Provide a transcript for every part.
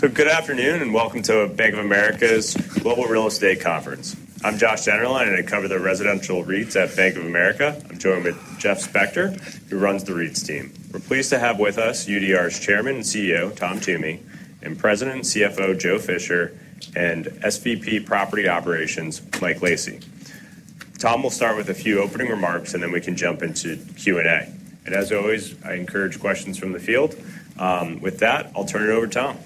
Good afternoon, and welcome to Bank of America's Global Real Estate Conference. I'm Josh Dennerlein, and I cover the residential REITs at Bank of America. I'm joined with Jeff Spector, who runs the REITs team. We're pleased to have with us UDR's Chairman and CEO, Tom Toomey, and President and CFO, Joe Fisher, and SVP Property Operations, Mike Lacy. Tom, we'll start with a few opening remarks, and then we can jump into Q&A. As always, I encourage questions from the field. With that, I'll turn it over to Tom.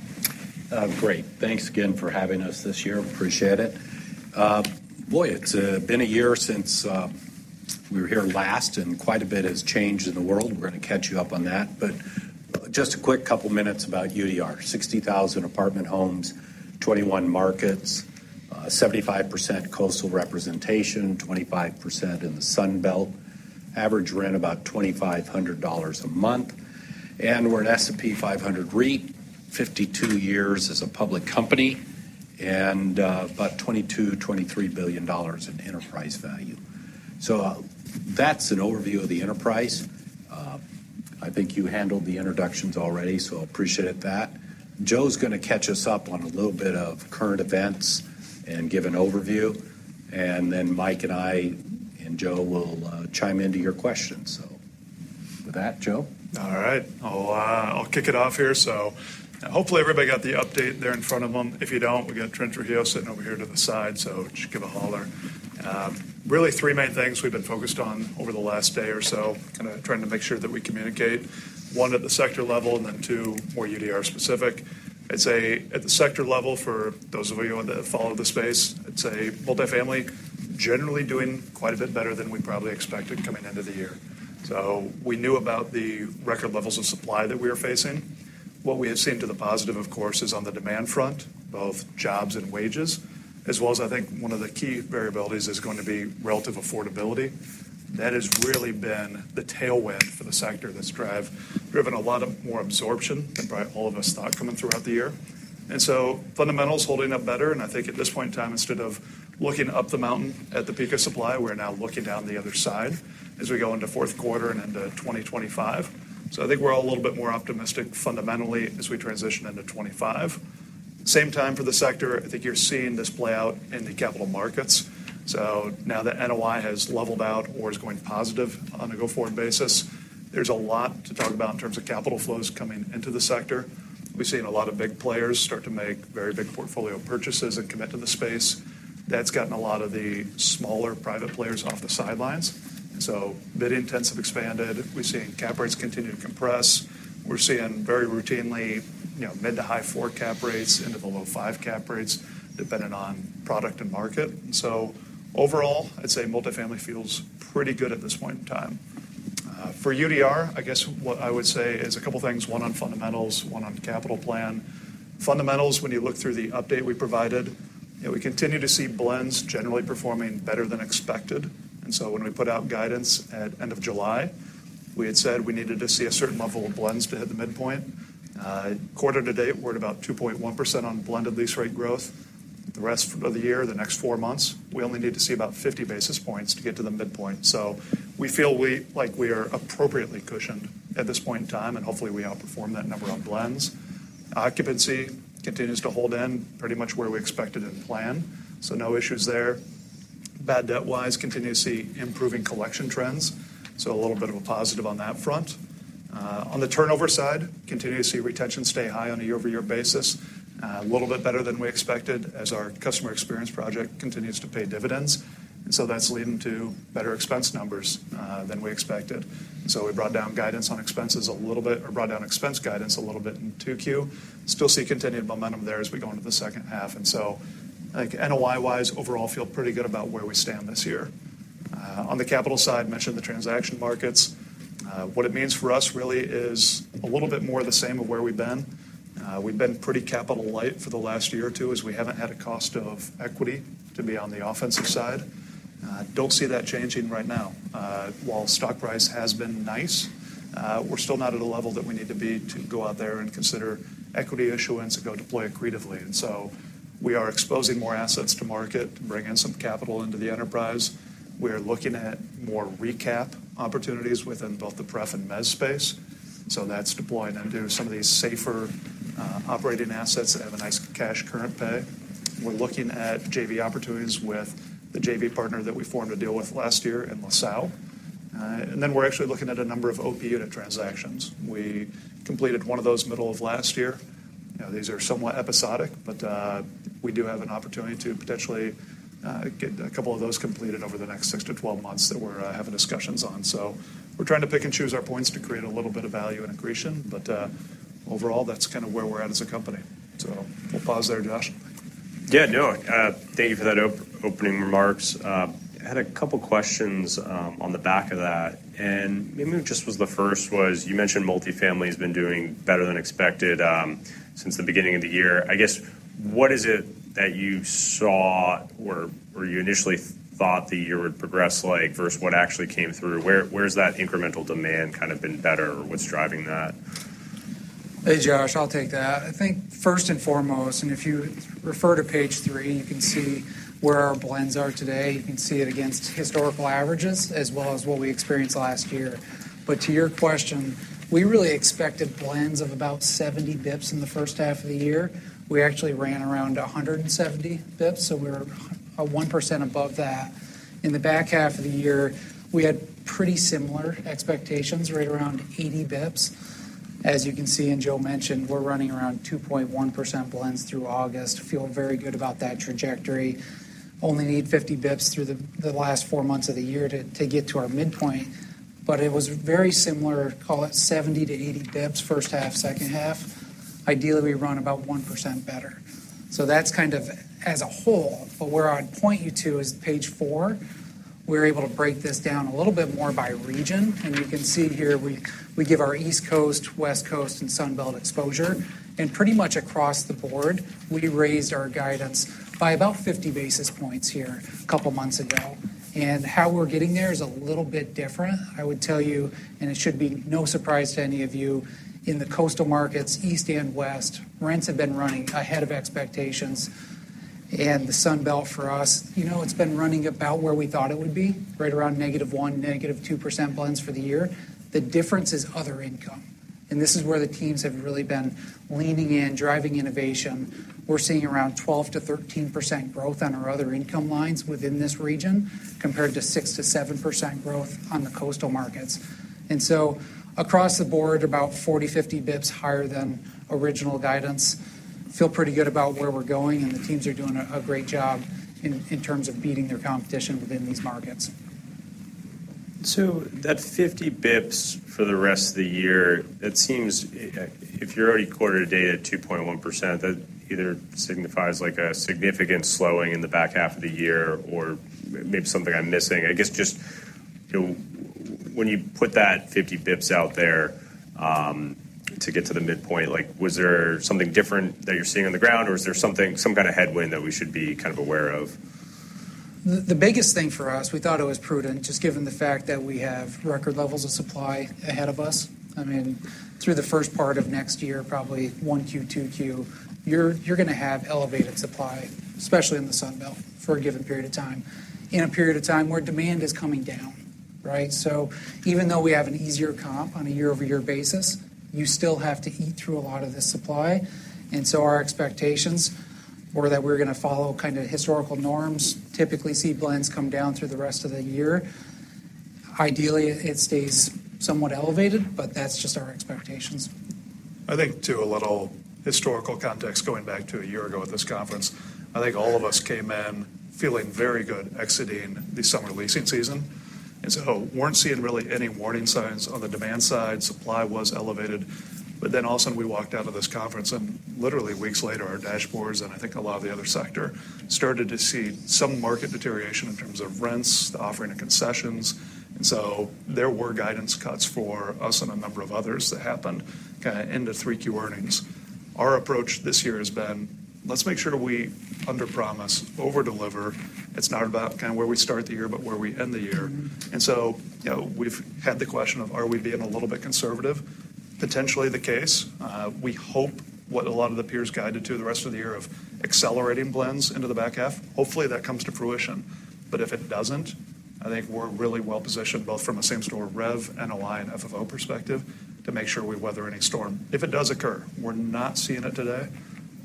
Great. Thanks again for having us this year. Appreciate it. Boy, it's been a year since we were here last, and quite a bit has changed in the world. We're going to catch you up on that, but just a quick couple of minutes about UDR. 60,000 apartment homes, 21 markets, 75% coastal representation, 25% in the Sun Belt. Average rent, about $2,500 a month, and we're an S&P 500 REIT, 52 years as a public company, and about $22 billion-$23 billion in enterprise value. That's an overview of the enterprise. I think you handled the introductions already, so I appreciate that. Joe's going to catch us up on a little bit of current events and give an overview, and then Mike and I, and Joe will chime in to your questions. So with that, Joe. All right. I'll, I'll kick it off here. So hopefully, everybody got the update there in front of them. If you don't, we got Trent Trujillo sitting over here to the side, so just give a holler. Really, three main things we've been focused on over the last day or so, kind of trying to make sure that we communicate, one, at the sector level, and then two, more UDR-specific. I'd say at the sector level, for those of you who follow the space, I'd say multifamily generally doing quite a bit better than we probably expected coming into the year. So we knew about the record levels of supply that we were facing. What we have seen to the positive, of course, is on the demand front, both jobs and wages, as well as I think one of the key variabilities is going to be relative affordability. That has really been the tailwind for the sector that's driven a lot more absorption than probably all of us thought coming throughout the year. And so fundamentals holding up better, and I think at this point in time, instead of looking up the mountain at the peak of supply, we're now looking down the other side as we go into fourth quarter and into 2025. So I think we're all a little bit more optimistic fundamentally, as we transition into 2025. At the same time for the sector, I think you're seeing this play out in the capital markets. So now that NOI has leveled out or is going positive on a go-forward basis, there's a lot to talk about in terms of capital flows coming into the sector. We've seen a lot of big players start to make very big portfolio purchases and commit to the space. That's gotten a lot of the smaller private players off the sidelines, so investment expanded. We're seeing cap rates continue to compress. We're seeing very routinely, you know, mid- to high-four cap rates into the low-five cap rates, depending on product and market. So overall, I'd say multifamily feels pretty good at this point in time. For UDR, I guess what I would say is a couple of things, one on fundamentals, one on capital plan. Fundamentals, when you look through the update we provided, you know, we continue to see blends generally performing better than expected. And so when we put out guidance at end of July, we had said we needed to see a certain level of blends to hit the midpoint. Quarter-to-date, we're at about 2.1% on blended lease rate growth. The rest of the year, the next four months, we only need to see about 50 basis points to get to the midpoint. So we feel like we are appropriately cushioned at this point in time, and hopefully, we outperform that number on blends. Occupancy continues to hold in pretty much where we expected it and planned, so no issues there. Bad debt-wise, continue to see improving collection trends, so a little bit of a positive on that front. On the turnover side, continue to see retention stay high on a year-over-year basis. A little bit better than we expected as our customer experience project continues to pay dividends, and so that's leading to better expense numbers, than we expected. So we brought down guidance on expenses a little bit, or brought down expense guidance a little bit in 2Q. Still see continued momentum there as we go into the H2, and so, I think, NOI-wise, overall, feel pretty good about where we stand this year. On the capital side, mentioned the transaction markets. What it means for us really is a little bit more of the same of where we've been. We've been pretty capital light for the last year or two, as we haven't had a cost of equity to be on the offensive side. Don't see that changing right now. While stock price has been nice, we're still not at a level that we need to be to go out there and consider equity issuance and go deploy aggressively. And so we are exposing more assets to market to bring in some capital into the enterprise. We are looking at more recap opportunities within both the pref and mezz space, so that's deploying into some of these safer, operating assets that have a nice cash current pay. We're looking at JV opportunities with the JV partner that we formed a deal with last year in LaSalle. And then we're actually looking at a number of OP unit transactions. We completed one of those middle of last year. You know, these are somewhat episodic, but, we do have an opportunity to potentially, get a couple of those completed over the next six to 12 months that we're, having discussions on. So we're trying to pick and choose our points to create a little bit of value and accretion, but, overall, that's kind of where we're at as a company. So we'll pause there, Josh. Yeah, no, thank you for that opening remarks. I had a couple questions on the back of that, and maybe the first was, you mentioned multifamily has been doing better than expected since the beginning of the year. I guess, what is it that you saw or you initially thought the year would progress like versus what actually came through? Where is that incremental demand kind of been better, or what's driving that? Hey, Josh, I'll take that. I think first and foremost, and if you refer to page three, you can see where our blends are today. You can see it against historical averages as well as what we experienced last year. But to your question, we really expected blends of about 70 basis points in the H1 of the year. We actually ran around 170 basis points, so we're 1% above that. In the back half of the year, we had pretty similar expectations, right around 80 basis points. As you can see, and Joe mentioned, we're running around 2.1% blends through August. Feel very good about that trajectory. Only need 50 basis points through the last four months of the year to get to our midpoint, but it was very similar. Call it 70-80 basis points, H1, H2. Ideally, we run about 1% better. So that's kind of as a whole, but where I'd point you to is page four. We're able to break this down a little bit more by region, and you can see here we give our East Coast, West Coast, and Sun Belt exposure, and pretty much across the board, we raised our guidance by about 50 basis points here a couple of months ago, and how we're getting there is a little bit different. I would tell you, and it should be no surprise to any of you, in the coastal markets, east and west, rents have been running ahead of expectations, and the Sun Belt, for us, you know, it's been running about where we thought it would be, right around -1% to-2% blends for the year. The difference is other income, and this is where the teams have really been leaning in, driving innovation. We're seeing around 12%-13% growth on our other income lines within this region, compared to 6%-7% growth on the coastal markets, and so across the board, about 40-50 basis points higher than original guidance. Feel pretty good about where we're going, and the teams are doing a great job in terms of beating their competition within these markets. So that 50 basis points for the rest of the year, it seems if you're already quarter to date at 2.1%, that either signifies, like, a significant slowing in the back half of the year or maybe something I'm missing. I guess just, you know, when you put that 50 basis points out there, to get to the midpoint, like, was there something different that you're seeing on the ground, or is there something, some kind of headwind that we should be kind of aware of? The biggest thing for us, we thought it was prudent, just given the fact that we have record levels of supply ahead of us. I mean, through the first part of next year, probably 1Q/2Q, you're gonna have elevated supply, especially in the Sun Belt, for a given period of time, in a period of time where demand is coming down, right? So even though we have an easier comp on a year-over-year basis, you still have to eat through a lot of the supply. And so our expectations were that we're gonna follow kind of historical norms. Typically, see blends come down through the rest of the year. Ideally, it stays somewhat elevated, but that's just our expectations. I think to add a little historical context, going back to a year ago at this conference. I think all of us came in feeling very good, exiting the summer leasing season, and so weren't seeing really any warning signs on the demand side. Supply was elevated, but then all of a sudden, we walked out of this conference, and literally weeks later, our dashboards, and I think a lot of the other sector, started to see some market deterioration in terms of rents, the offering of concessions. And so there were guidance cuts for us and a number of others that happened kind of end of 3Q earnings. Our approach this year has been: Let's make sure we underpromise, overdeliver. It's not about kind of where we start the year, but where we end the year. So, you know, we've had the question of: Are we being a little bit conservative? Potentially the case. We hope what a lot of the peers guided to the rest of the year of accelerating blends into the back half. Hopefully, that comes to fruition, but if it doesn't, I think we're really well positioned, both from a same-store rev NOI and FFO perspective, to make sure we weather any storm. If it does occur, we're not seeing it today,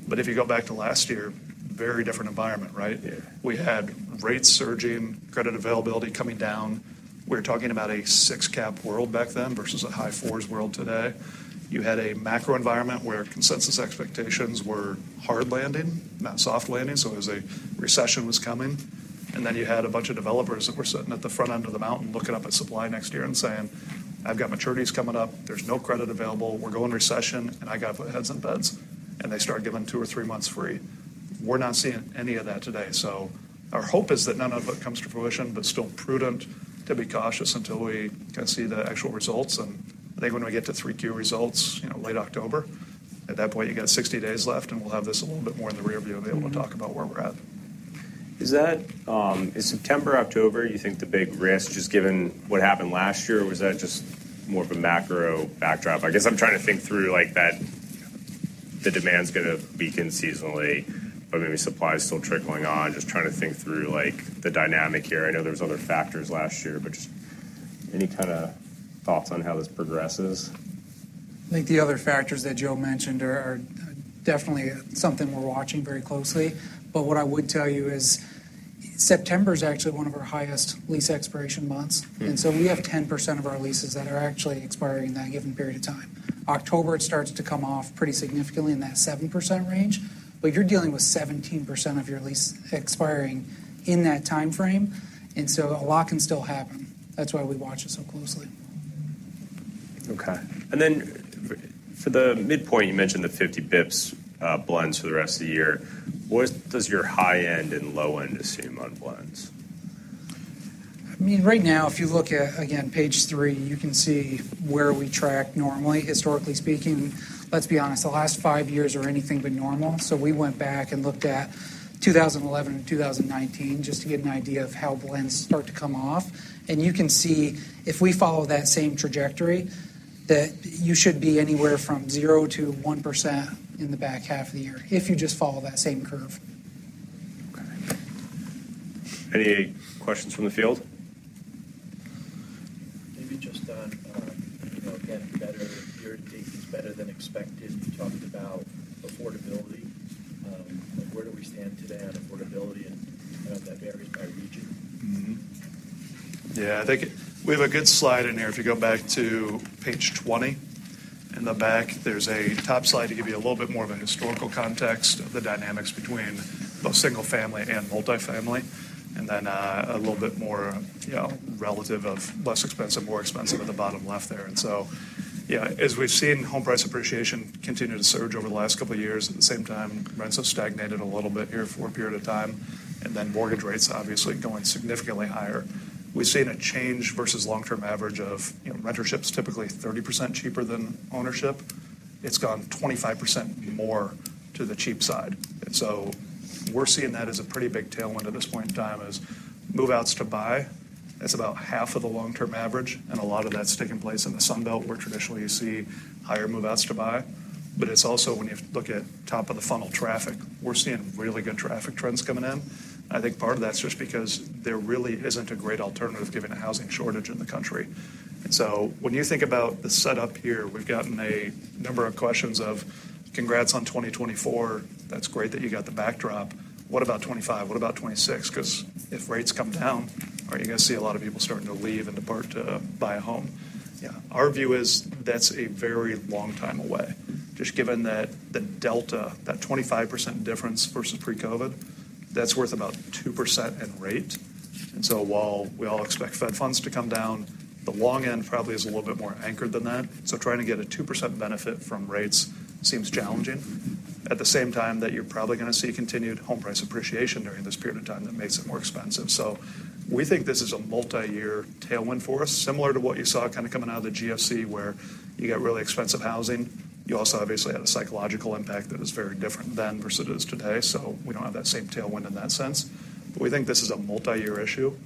but if you go back to last year, very different environment, right? Yeah. We had rates surging, credit availability coming down. We were talking about a six cap world back then versus a high fours world today. You had a macro environment where consensus expectations were hard landing, not soft landing, so it was a recession coming. And then you had a bunch of developers that were sitting at the front end of the mountain, looking up at supply next year and saying, "I've got maturities coming up. There's no credit available. We're going recession, and I got to put heads in beds," and they start giving two or three months free. We're not seeing any of that today. So our hope is that none of it comes to fruition, but still prudent to be cautious until we can see the actual results. And I think, when we get to 3Q results, you know, late October, at that point, you got 60 days left, and we'll have this a little bit more in the rearview and be able to talk about where we're at. Is that, is September, October, you think, the big risk, just given what happened last year, or was that just more of a macro backdrop? I guess I'm trying to think through, like, that the demand's gonna weaken seasonally, but maybe supply is still trickling on. Just trying to think through, like, the dynamic here. I know there was other factors last year, but just any kind of thoughts on how this progresses? I think the other factors that Joe mentioned are definitely something we're watching very closely, but what I would tell you is September is actually one of our highest lease expiration months. We have 10% of our leases that are actually expiring in that given period of time. October, it starts to come off pretty significantly in that 7% range, but you're dealing with 17% of your leases expiring in that timeframe, and so a lot can still happen. That's why we watch it so closely. Okay. And then for the midpoint, you mentioned the 50 basis points, blends for the rest of the year. What does your high end and low end assume on blends? I mean, right now, if you look at, again, page three, you can see where we track normally. Historically speaking, let's be honest, the last five years are anything but normal, so we went back and looked at 2011 and 2019 just to get an idea of how blends start to come off, and you can see, if we follow that same trajectory, that you should be anywhere from 0%-1% in the back half of the year if you just follow that same curve. Any questions from the field? Maybe just on, you know, again, better, your take is better than expected. You talked about affordability. Where do we stand today on affordability, and that varies by region? Yeah, I think we have a good slide in here. If you go back to Page 20, in the back, there's a top slide to give you a little bit more of a historical context of the dynamics between both single-family and multifamily, and then a little bit more, you know, relative of less expensive, more expensive at the bottom left there. And so, yeah, as we've seen, home price appreciation continue to surge over the last couple of years. At the same time, rents have stagnated a little bit here for a period of time, and then mortgage rates obviously going significantly higher. We've seen a change versus long-term average of, you know, rentership's typically 30% cheaper than ownership. It's gone 25% more to the cheap side. And so we're seeing that as a pretty big tailwind at this point in time as move-outs to buy, that's about half of the long-term average, and a lot of that's taking place in the Sun Belt, where traditionally you see higher move-outs to buy. But it's also when you look at top-of-the-funnel traffic, we're seeing really good traffic trends coming in. I think part of that's just because there really isn't a great alternative, given the housing shortage in the country. And so when you think about the setup here, we've gotten a number of questions of: "Congrats on 2024. That's great that you got the backdrop. What about 2025? What about 2026? Because if rates come down, are you going to see a lot of people starting to leave and depart to buy a home?" Yeah. Our view is that's a very long time away. Just given that the delta, that 25% difference versus pre-COVID, that's worth about 2% in rate. So while we all expect Fed funds to come down, the long end probably is a little bit more anchored than that. Trying to get a 2% benefit from rates seems challenging. At the same time, you're probably going to see continued home price appreciation during this period of time that makes it more expensive. We think this is a multi-year tailwind for us, similar to what you saw kind of coming out of the GFC, where you get really expensive housing. You also obviously had a psychological impact that is very different than versus it is today, so we don't have that same tailwind in that sense. We think this is a multi-year issue.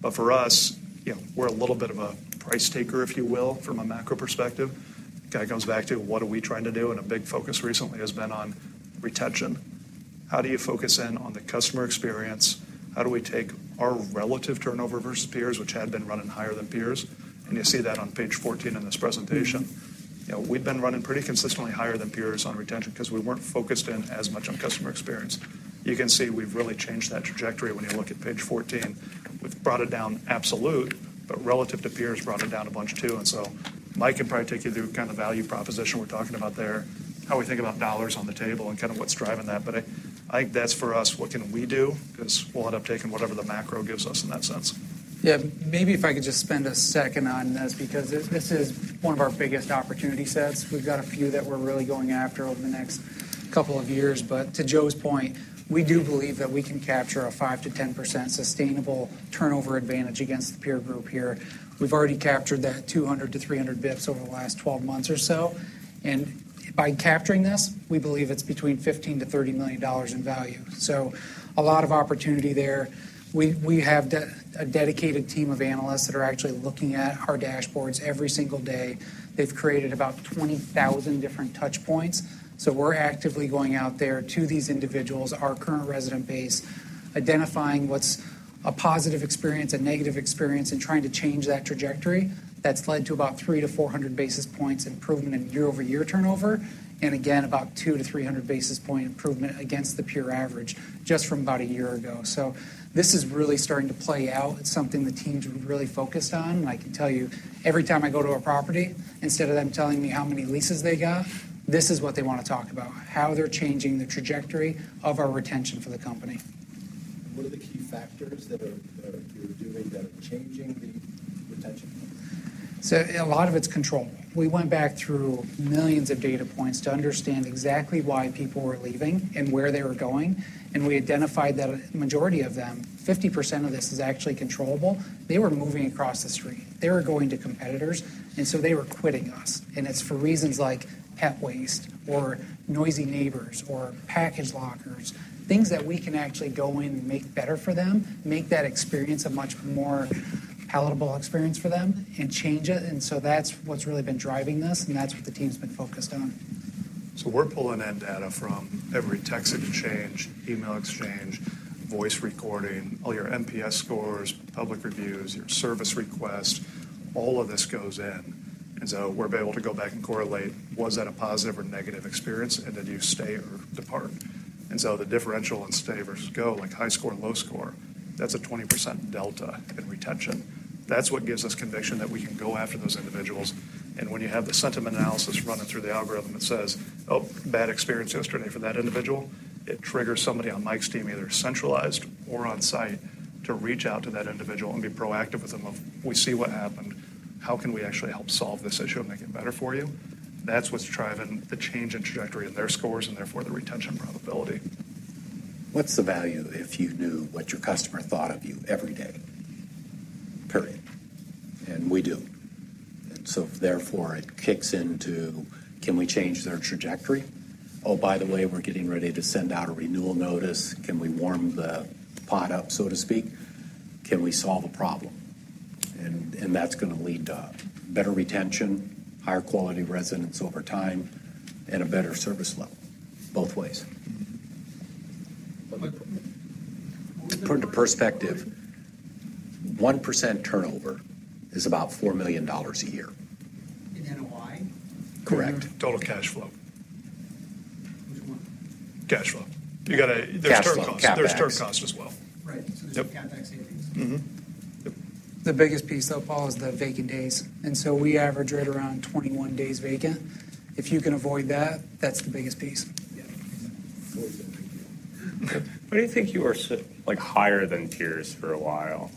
But for us, you know, we're a little bit of a price taker, if you will, from a macro perspective. It kind of comes back to what are we trying to do? And a big focus recently has been on retention. How do you focus in on the customer experience? How do we take our relative turnover versus peers, which had been running higher than peers? And you see that on page fourteen in this presentation. You know, we've been running pretty consistently higher than peers on retention because we weren't focused in as much on customer experience. You can see we've really changed that trajectory when you look at page fourteen. We've brought it down absolute, but relative to peers, brought it down a bunch, too. And so Mike can probably take you through kind of value proposition we're talking about there, how we think about dollars on the table and kind of what's driving that. But I, I think that's for us, what can we do? Because we'll end up taking whatever the macro gives us in that sense. Yeah. Maybe if I could just spend a second on this, because this is one of our biggest opportunity sets. We've got a few that we're really going after over the next couple of years. But to Joe's point, we do believe that we can capture a 5%-10% sustainable turnover advantage against the peer group here. We've already captured that 200-300 basis points over the last 12 months or so, and by capturing this, we believe it's between $15 million-$30 million in value. So a lot of opportunity there. We have a dedicated team of analysts that are actually looking at our dashboards every single day. They've created about 20,000 different touch points, so we're actively going out there to these individuals, our current resident base, identifying what's a positive experience, a negative experience, and trying to change that trajectory. That's led to about 300-400 basis points improvement in year-over-year turnover, and again, about 200-300 basis point improvement against the peer average just from about a year ago. So this is really starting to play out. It's something the team's really focused on. I can tell you, every time I go to a property, instead of them telling me how many leases they got, this is what they want to talk about, how they're changing the trajectory of our retention for the company. What are the key factors that are you're doing that are changing the retention? So a lot of it's control. We went back through millions of data points to understand exactly why people were leaving and where they were going, and we identified that a majority of them, 50% of this is actually controllable. They were moving across the street, they were going to competitors, and so they were quitting us. And it's for reasons like pet waste or noisy neighbors or package lockers, things that we can actually go in and make better for them, make that experience a much more palatable experience for them and change it. And so that's what's really been driving this, and that's what the team's been focused on. So we're pulling in data from every text exchange, email exchange, voice recording, all your NPS scores, public reviews, your service requests, all of this goes in. And so we're able to go back and correlate: Was that a positive or negative experience, and did you stay or depart? And so the differential in stay versus go, like high score and low score, that's a 20% delta in retention. That's what gives us conviction that we can go after those individuals. And when you have the sentiment analysis running through the algorithm, it says, "Oh, bad experience yesterday for that individual," it triggers somebody on Mike's team, either centralized or on-site, to reach out to that individual and be proactive with them of, "We see what happened. How can we actually help solve this issue and make it better for you?" That's what's driving the change in trajectory in their scores and therefore the retention probability. What's the value if you knew what your customer thought of you every day, period? We do. Therefore, it kicks into: Can we change their trajectory? Oh, by the way, we're getting ready to send out a renewal notice. Can we warm the pot up, so to speak? Can we solve a problem? And that's gonna lead to better retention, higher quality of residents over time, and a better service level, both ways. To put into perspective, 1% turnover is about $4 million a year. In NOI? Correct. Total cash flow. Which one? Cash flow. You got a- Cash flow. CapEx. There's turn cost as well. Right. Yep. So there's a CapEx savings. Yep. The biggest piece, though, Paul, is the vacant days, and so we average right around 21 days vacant. If you can avoid that, that's the biggest piece. Yeah. Why do you think you were so, like, higher than peers for a while?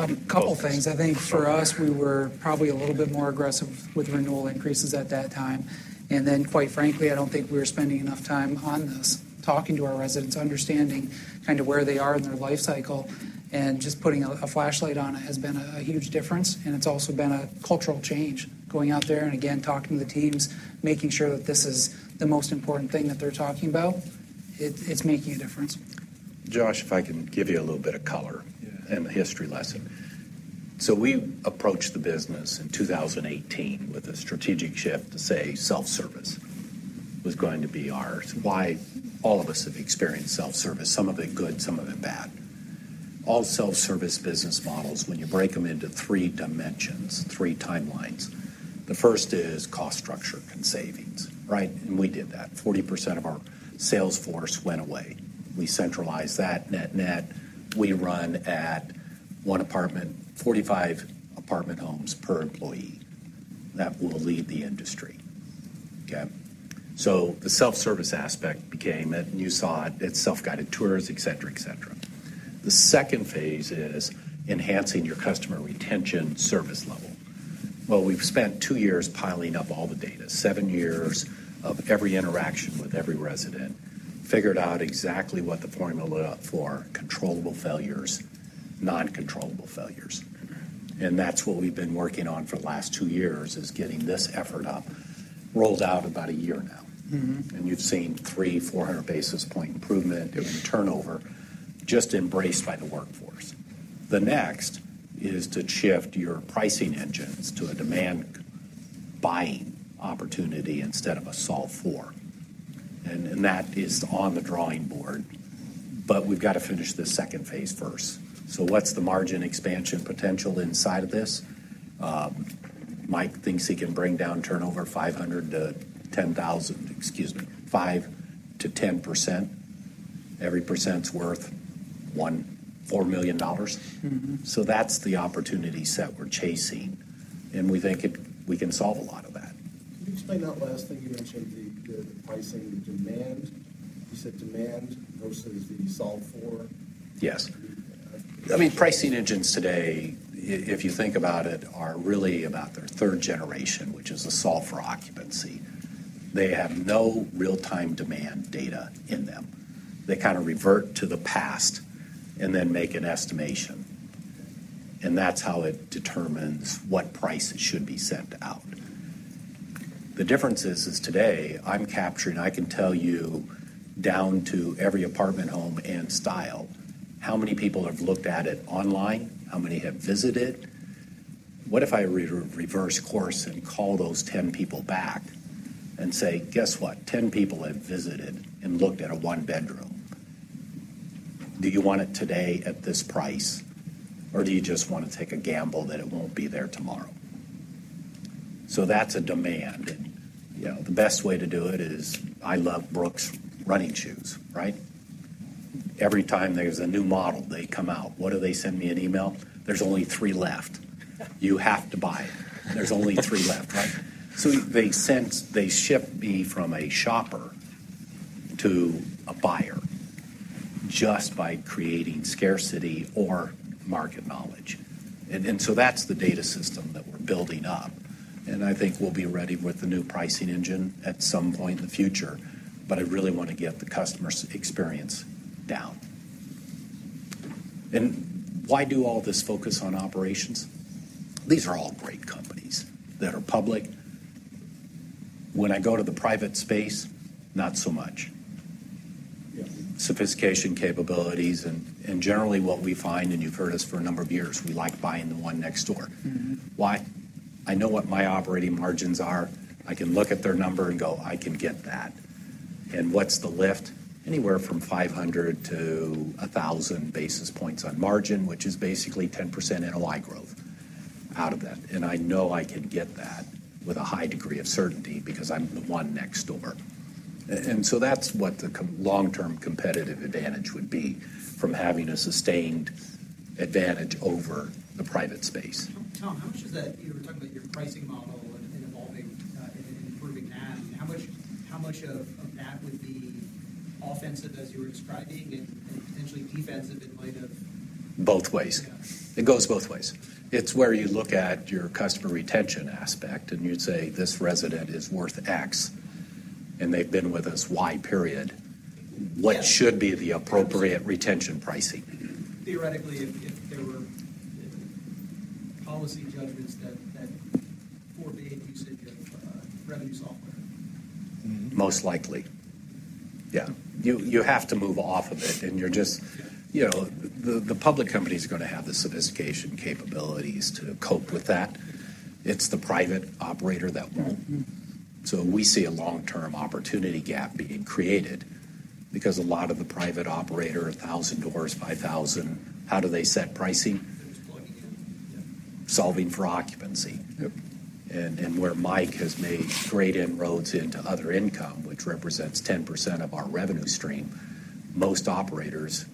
Like you. A couple of things. I think for us, we were probably a little bit more aggressive with renewal increases at that time, and then, quite frankly, I don't think we were spending enough time on this, talking to our residents, understanding kind of where they are in their life cycle, and just putting a flashlight on it has been a huge difference, and it's also been a cultural change. Going out there and again, talking to the teams, making sure that this is the most important thing that they're talking about. It's making a difference. Josh, if I can give you a little bit of color-- Yeah... and a history lesson. So we approached the business in 2018 with a strategic shift to say self-service was going to be ours. Why? All of us have experienced self-service, some of it good, some of it bad. All self-service business models, when you break them into three dimensions, three timelines, the first is cost structure and savings, right? And we did that. 40% of our sales force went away. We centralized that net, net. We run at one apartment, 45 apartment homes per employee. That will lead the industry. Okay? So the self-service aspect became, and you saw it, it's self-guided tours, et cetera, et cetera. The second phase is enhancing your customer retention service level. We've spent two years piling up all the data, seven years of every interaction with every resident, figured out exactly what the formula for controllable failures, non-controllable failures. That's what we've been working on for the last two years, is getting this effort up, rolled out about a year now. You've seen 300-400 basis points improvement in turnover, just embraced by the workforce. The next is to shift your pricing engines to a demand buying opportunity instead of a solve for, and that is on the drawing board, but we've got to finish the second phase first. So what's the margin expansion potential inside of this? Mike thinks he can bring down turnover 5%-10%. Every percent's worth $1.4 million. So that's the opportunities that we're chasing, and we think we can solve a lot of that. Can you explain that last thing? You mentioned the, the pricing, the demand. You said demand versus the solve for? Yes. I mean, pricing engines today, if you think about it, are really about their third generation, which is the solve for occupancy. They have no real-time demand data in them. They kind of revert to the past and then make an estimation, and that's how it determines what price it should be sent out. The difference is today, I'm capturing, I can tell you down to every apartment home and style, how many people have looked at it online, how many have visited. What if I re-reverse course and call those ten people back and say: "Guess what? 10 people have visited and looked at a one-bedroom. Do you want it today at this price, or do you just want to take a gamble that it won't be there tomorrow?" So that's a demand, and, you know, the best way to do it is, I love Brooks Running shoes, right? Every time there's a new model, they come out. What do they send me? An email? There's only three left. You have to buy it. There's only three left, right? So they shift me from a shopper to a buyer just by creating scarcity or market knowledge. And so that's the data system that we're building up, and I think we'll be ready with the new pricing engine at some point in the future, but I really want to get the customer's experience down. And why do all this focus on operations? These are all great companies that are public. When I go to the private space, not so much. Yeah. Sophistication, capabilities, and generally what we find, and you've heard us for a number of years, we like buying the one next door. Why? I know what my operating margins are. I can look at their number and go, "I can get that." And what's the lift? Anywhere from 500-1,000 basis points on margin, which is basically 10% NOI growth out of that. And I know I can get that with a high degree of certainty because I'm the one next door. And so that's what the long-term competitive advantage would be from having a sustained advantage over the private space. Tom, how much does that-- you were talking about your pricing model and evolving and improving that. How much of that would be offensive, as you were describing, and potentially defensive in light of? Both ways. Gotcha. It goes both ways. It's where you look at your customer retention aspect, and you'd say, "This resident is worth X, and they've been with us Y period. What should be the appropriate retention pricing? Theoretically, if there were policy judgments that forbade use of your revenue software? Most likely. Yeah. You have to move off of it, and you're just- Yeah. You know, the public company's gonna have the sophistication capabilities to cope with that. It's the private operator that won't. So we see a long-term opportunity gap being created because a lot of the private operator, a thousand doors, five thousand, how do they set pricing? Plug in. Yeah. Solving for occupancy. Yep. Where Mike has made great inroads into other income, which represents 10% of our revenue stream, most operators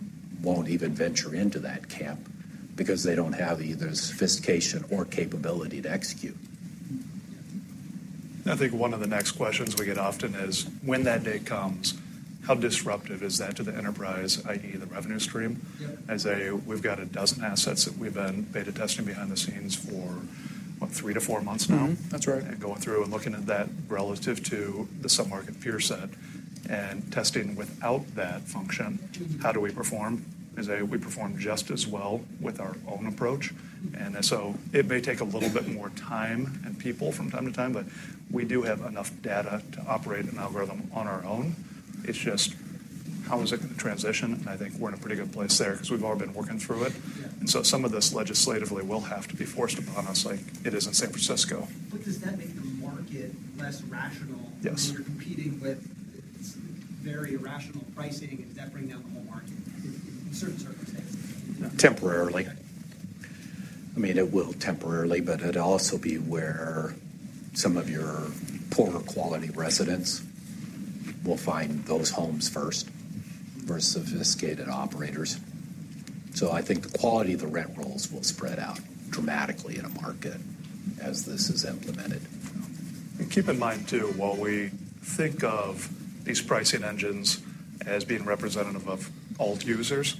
won't even venture into that camp because they don't have either the sophistication or capability to execute. Mm-hmm. I think one of the next questions we get often is: when that day comes, how disruptive is that to the enterprise, i.e., the revenue stream? Yep. I'd say we've got a dozen assets that we've been beta testing behind the scenes for, what? Three to four months now. That's right. And going through and looking at that relative to the sub-market peer set and testing without that function, how do we perform? Is it that we perform just as well with our own approach. And so it may take a little bit more time and people from time to time, but we do have enough data to operate an algorithm on our own. It's just, how is it going to transition? I think we're in a pretty good place there 'cause we've already been working through it. Yeah. So some of this, legislatively, will have to be forced upon us like it is in San Francisco. But does that make the market less rational- Yes. When you're competing with very irrational pricing? Does that bring down the whole market in certain circumstances? Temporarily. I mean, it will temporarily, but it'll also be where some of your poorer quality residents will find those homes first, versus sophisticated operators. So I think the quality of the rent rolls will spread out dramatically in a market as this is implemented. And keep in mind, too, while we think of these pricing engines as being representative of all users,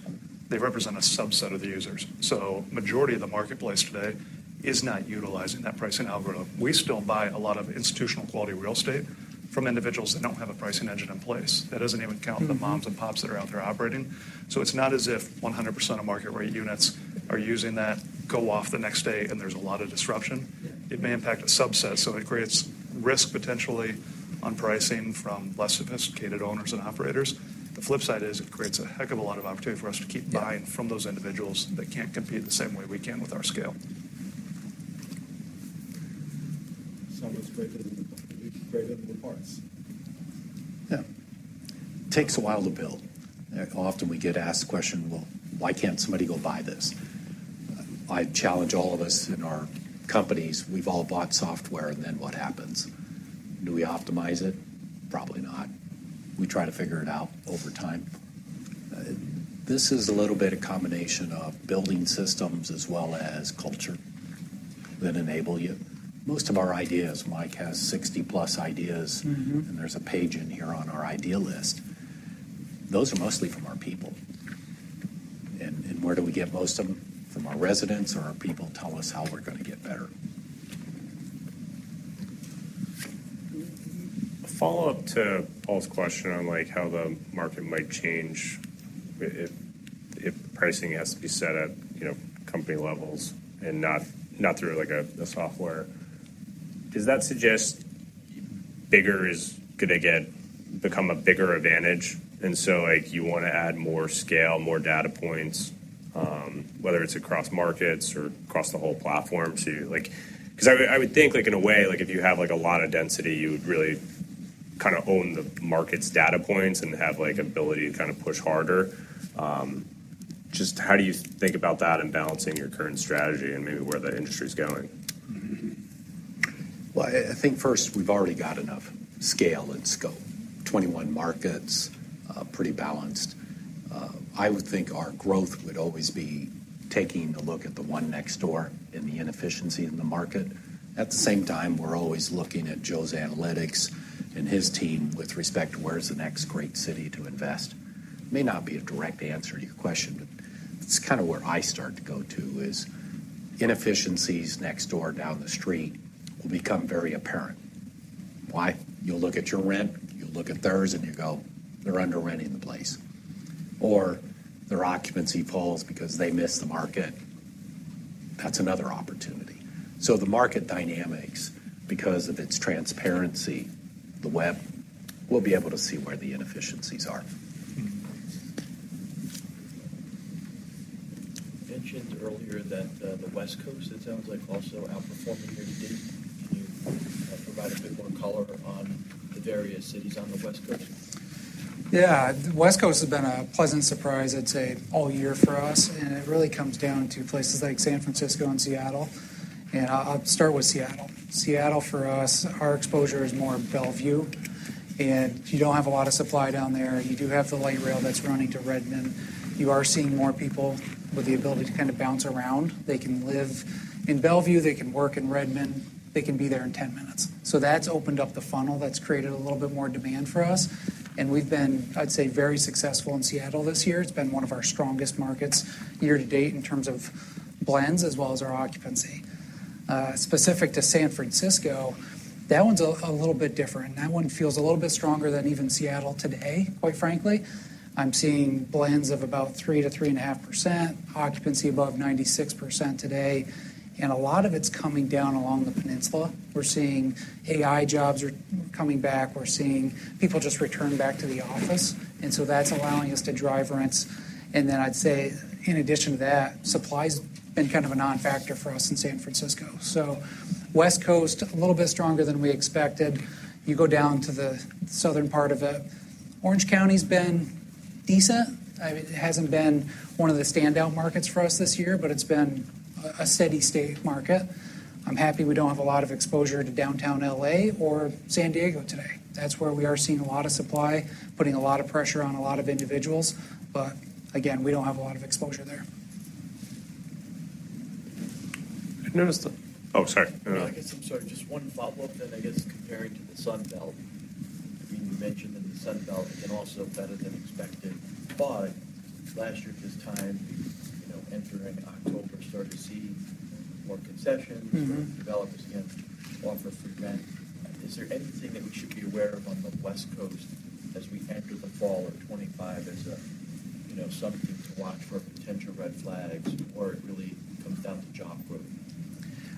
they represent a subset of the users. So majority of the marketplace today is not utilizing that pricing algorithm. We still buy a lot of institutional-quality real estate from individuals that don't have a pricing engine in place. That doesn't even count the moms and pops that are out there operating. So it's not as if 100% of market-rate units are using that, go off the next day, and there's a lot of disruption. Yeah. It may impact a subset, so it creates risk, potentially, on pricing from less sophisticated owners and operators. The flip side is it creates a heck of a lot of opportunity for us to keep buying- Yeah ...from those individuals that can't compete the same way we can with our scale. Some is greater than, greater than the parts. Yeah. It takes a while to build. Often we get asked the question: "Well, why can't somebody go buy this?" I challenge all of us in our companies. We've all bought software, and then what happens? Do we optimize it? Probably not. We try to figure it out over time. This is a little bit of combination of building systems as well as culture that enable you. Most of our ideas, Mike has 60+ ideas, and there's a page in here on our idea list. Those are mostly from our people, and where do we get most of them? From our residents, or our people tell us how we're gonna get better. A follow-up to Paul's question on, like, how the market might change if, if the pricing has to be set at, you know, company levels and not through, like, a software. Does that suggest bigger is gonna get, become a bigger advantage, and so, like, you wanna add more scale, more data points, whether it's across markets or across the whole platform to, like... 'Cause I would think, like, in a way, like, if you have, like, a lot of density, you would really kind of own the market's data points and have, like, ability to kind of push harder. Just how do you think about that and balancing your current strategy and maybe where the industry's going? I think first, we've already got enough scale and scope. 21 markets, pretty balanced. I would think our growth would always be taking a look at the one next door and the inefficiency in the market. At the same time, we're always looking at Joe's analytics and his team with respect to where's the next great city to invest. May not be a direct answer to your question, but it's kind of where I start to go to, is inefficiencies next door, down the street, will become very apparent. Why? You'll look at your rent, you'll look at theirs, and you go, "They're underrenting the place," or, "Their occupancy falls because they miss the market." That's another opportunity. So the market dynamics, because of its transparency, the web, will be able to see where the inefficiencies are. You mentioned earlier that the West Coast, it sounds like, also outperforming year to date. Can you provide a bit more color on the various cities on the West Coast? Yeah. The West Coast has been a pleasant surprise, I'd say, all year for us, and it really comes down to places like San Francisco and Seattle. I'll start with Seattle. Seattle, for us, our exposure is more Bellevue, and you don't have a lot of supply down there. You do have the light rail that's running to Redmond. You are seeing more people with the ability to kind of bounce around. They can live in Bellevue, they can work in Redmond, they can be there in ten minutes. So that's opened up the funnel. That's created a little bit more demand for us, and we've been, I'd say, very successful in Seattle this year. It's been one of our strongest markets year to date in terms of blends as well as our occupancy. Specific to San Francisco, that one's a little bit different. That one feels a little bit stronger than even Seattle today, quite frankly. I'm seeing blends of about 3% to 3.5%, occupancy above 96% today, and a lot of it's coming down along the peninsula. We're seeing AI jobs are coming back. We're seeing people just return back to the office, and so that's allowing us to drive rents. And then I'd say, in addition to that, supply's been kind of a non-factor for us in San Francisco. So West Coast, a little bit stronger than we expected. You go down to the southern part of it. Orange County's been decent. I mean, it hasn't been one of the standout markets for us this year, but it's been a steady-state market. I'm happy we don't have a lot of exposure to downtown LA or San Diego today. That's where we are seeing a lot of supply, putting a lot of pressure on a lot of individuals. But again, we don't have a lot of exposure there. I noticed... Oh, sorry. Yeah, I guess I'm sorry, just one follow-up then, I guess, comparing to the Sun Belt. I mean, you mentioned that the Sun Belt is also better than expected, but last year at this time, you know, entering October, started to see more concessions. Developers again offer free rent. Is there anything that we should be aware of on the West Coast as we enter the fall of 2025 as a, you know, something to watch for potential red flags, or it really comes down to job growth?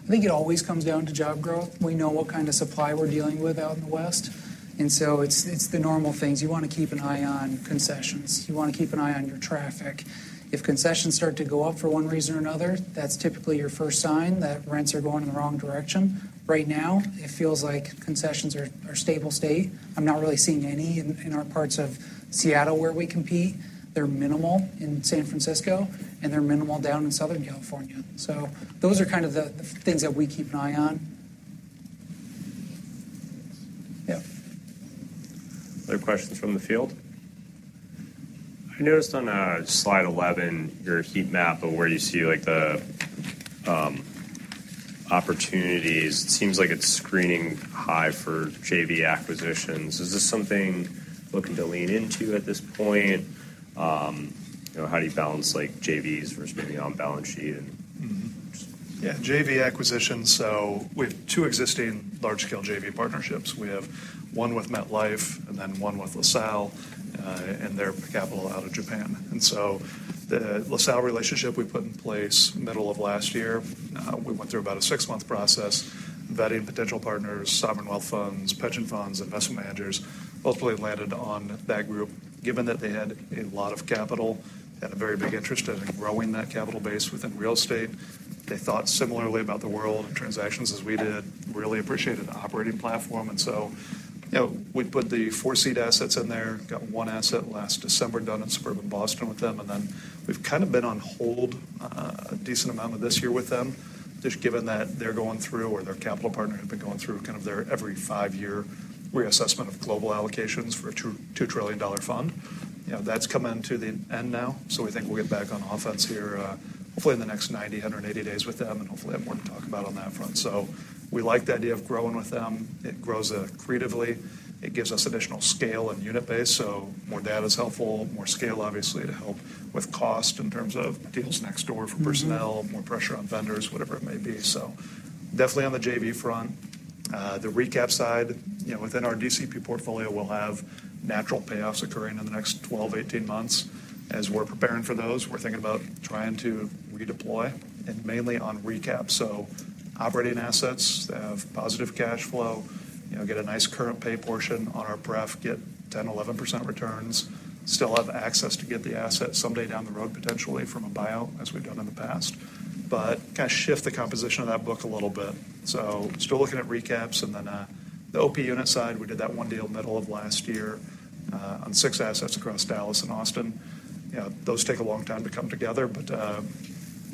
I think it always comes down to job growth. We know what kind of supply we're dealing with out in the West, and so it's the normal things. You want to keep an eye on concessions. You want to keep an eye on your traffic. If concessions start to go up for one reason or another, that's typically your first sign that rents are going in the wrong direction. Right now, it feels like concessions are stable state. I'm not really seeing any in our parts of Seattle where we compete. They're minimal in San Francisco, and they're minimal down in Southern California. So those are kind of the things that we keep an eye on. Yeah. Other questions from the field? I noticed on slide 11, your heat map of where you see, like, the opportunities. It seems like it's screening high for JV acquisitions. Is this something you're looking to lean into at this point? You know, how do you balance, like, JVs versus maybe on-balance sheet and- Yeah, JV acquisitions. So we have two existing large-scale JV partnerships. We have one with MetLife and then one with LaSalle, and their capital out of Japan. And so the LaSalle relationship we put in place middle of last year. We went through about a six-month process, vetting potential partners, sovereign wealth funds, pension funds, investment managers, ultimately landed on that group. Given that they had a lot of capital and a very big interest in growing that capital base within real estate, they thought similarly about the world of transactions as we did, really appreciated the operating platform, and so, you know, we put the four seed assets in there, got one asset last December done in suburban Boston with them, and then we've kind of been on hold, a decent amount of this year with them. Just given that they're going through, or their capital partner has been going through kind of their every five-year reassessment of global allocations for a $2.2 trillion fund. You know, that's coming to the end now, so we think we'll get back on offense here, hopefully in the next 90-180 days with them, and hopefully have more to talk about on that front. So we like the idea of growing with them. It grows accretively. It gives us additional scale and unit base, so more data is helpful, more scale, obviously, to help with cost in terms of deals next door for personnel- More pressure on vendors, whatever it may be. So definitely on the JV front, the recap side, you know, within our DCP portfolio, we'll have natural payoffs occurring in the next twelve to eighteen months. As we're preparing for those, we're thinking about trying to redeploy and mainly on recap. So operating assets that have positive cash flow, you know, get a nice current pay portion on our pref, get 10, 11% returns, still have access to get the asset someday down the road, potentially from a buyout, as we've done in the past, but kind of shift the composition of that book a little bit. So still looking at recaps, and then, the OP unit side, we did that one deal middle of last year, on six assets across Dallas and Austin. You know, those take a long time to come together, but,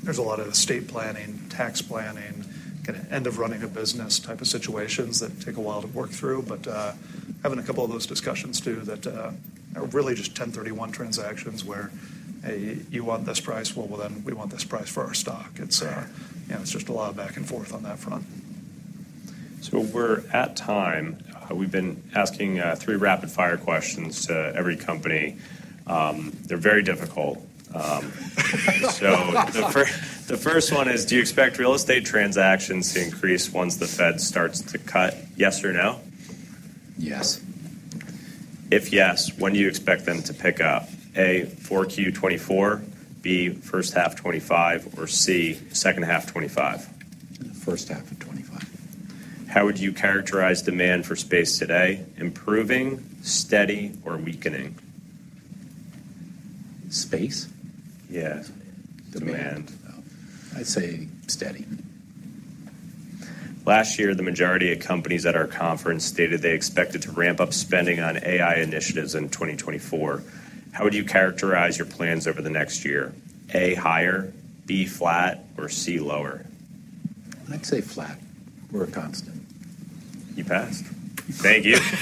there's a lot of estate planning, tax planning, kind of end of running a business type of situations that take a while to work through. But, having a couple of those discussions, too, that are really just 1031 transactions where, "Hey, you want this price?" "Well, then we want this price for our stock. Yeah. It's, you know, it's just a lot of back and forth on that front. So we're at time. We've been asking three rapid-fire questions to every company. They're very difficult, so the first, the first one is: Do you expect real estate transactions to increase once the Fed starts to cut? Yes or no? Yes. If yes, when do you expect them to pick up? A, 4Q 2024, B, H1 2025, or C, H2 2025. H1 of 2025. How would you characterize demand for space today? Improving, steady, or weakening? Space? Yeah, demand. Oh, I'd say steady. Last year, the majority of companies at our conference stated they expected to ramp up spending on AI initiatives in 2024. How would you characterize your plans over the next year? A, higher, B, flat, or C, lower? I'd say flat or a constant. You passed. Thank you.